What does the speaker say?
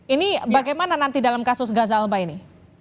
ini bagaimana nanti dalam kasus gaza alba ini